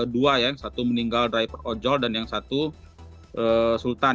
dua ya satu meninggal driver ojol dan yang satu sultan